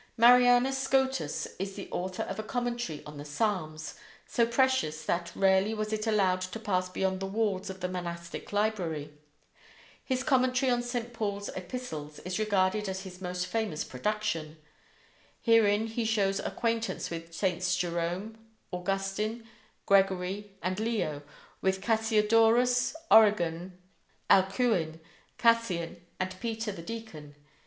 Marianus Scotus is the author of a commentary on the Psalms, so precious that rarely was it allowed to pass beyond the walls of the monastic library. His commentary on St. Paul's Epistles is regarded as his most famous production. Herein he shows acquaintance with Saints Jerome, Augustine, Gregory, and Leo, with Cassiodorus, Origen, Alcuin, Cassian, and Peter the Deacon.